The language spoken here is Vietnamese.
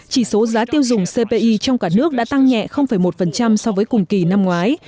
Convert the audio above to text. chỉ số giá tiêu dùng cpi trong cả nước đã tăng nhẹ một so với cùng kỳ năm ngoái